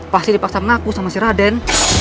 pasti dipaksa mengaku sama si raden